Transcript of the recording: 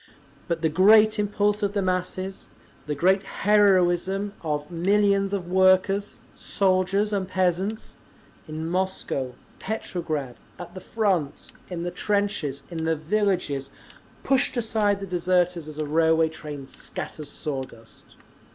But the great impulse of the masses, the great heroism of millions of workers, soldiers and peasants, in Moscow, Petrograd, at the front, in the trenches, in the villages, pushed aside the deserters as a railway train scatters saw dust….